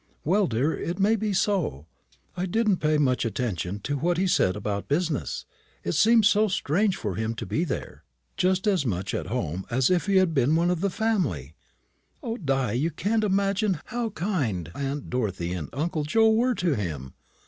"Well, dear, it may be so. I didn't pay much attention to what he said about business. It seemed so strange for him to be there, just as much at home as if he had been one of the family. O, Di, you can't imagine how kind aunt Dorothy and uncle Joe were to him!